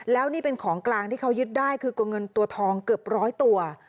แล้วนี่เป็นของกลางที่เขายึดได้คือตัวเงินตัวทองเกือบร้อยตัว